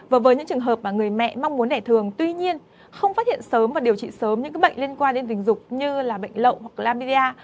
và với những trường hợp mà người mẹ mong muốn đẻ thường tuy nhiên không phát hiện sớm và điều trị sớm những bệnh liên quan đến tình dục như là bệnh lộng hoặc lamvia